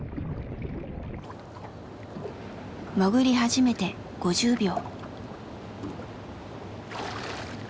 潜り始めて５０秒。